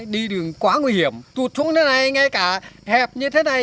đi đường quá nguy hiểm tụt xuống thế này ngay cả hẹp như thế này